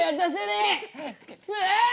くそ！